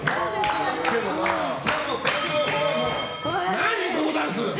何、そのダンス？